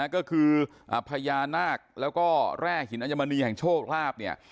ก็คือพญานาคแล้วก็แร่หินอัญมณีแห่งโชคลาภเนี่ย